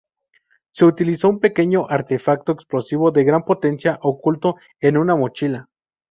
Se utilizó un pequeño artefacto explosivo de gran potencia, oculto en una mochila.